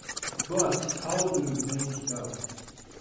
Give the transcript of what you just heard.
But how do you make it out